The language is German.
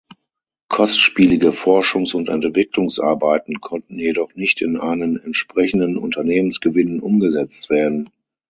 Kostspielige Forschungs- und Entwicklungsarbeiten konnten jedoch nicht in einen entsprechenden Unternehmensgewinn umgesetzt werden.